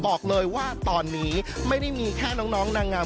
บอกเลยว่าตอนนี้ไม่ได้มีแค่น้องนางงาม